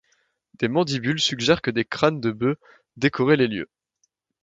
Des mandibules suggèrent que des crânes de bœufs décoraient les lieux.